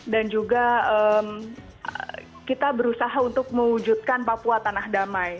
dan juga kita berusaha untuk mewujudkan papua tanah damai